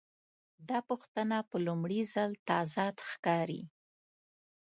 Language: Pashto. دا پوښتنه په لومړي ځل تضاد ښکاري.